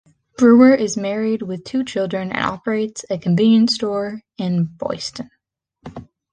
Brewer is married with two children and operates a convenience store in Boiestown.